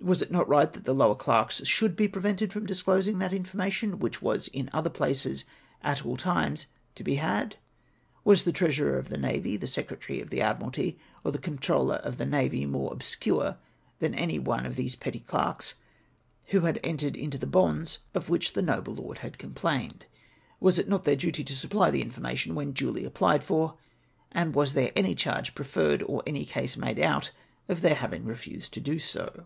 Was it not right that the lower clerks should be prevented from disclosing that infor mation which was in other places at all times to be had ? Was the Treasurer of the Navy, the Secretary of the Admiralty, or the Comptroller of the Navy more obscure than any one of the petty clerks who had entered into the bonds of which the 298 ^in. CEOKEE'S EXPLAXATTOX. noble lord had complained ? Was it not their duty to supply the information when duly applied for ; and was there any charge preferred, or any case made out, of their having refused to do so